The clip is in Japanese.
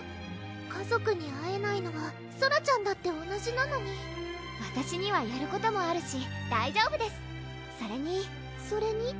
家族に会えないのはソラちゃんだって同じなのにわたしにはやることもあるし大丈夫ですそれにそれに？